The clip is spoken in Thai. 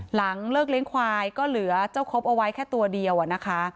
หลังเลิกเลี้ยงควายก็เหลือเจ้าครบเอาไว้แค่ตัวเดียวอะนะคะ